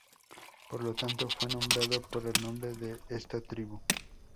Por lo tanto, fue nombrado por el nombre de esta tribu.